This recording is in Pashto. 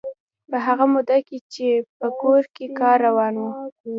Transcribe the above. په هغه موده کې چې په کور کې کار روان و.